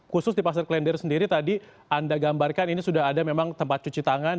khusus di pasar klender sendiri tadi anda gambarkan ini sudah ada memang tempat cuci tangan